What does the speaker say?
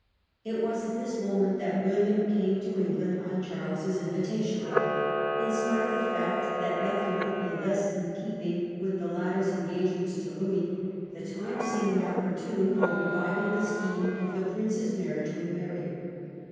It was at this moment that William came to England, on Charles's invitation. In spite of the fact that nothing could be less in keeping with the latter s engagements to Louis, the time seemed opportune for reviving the scheme Reasons for of the Prince's marriage with Mary.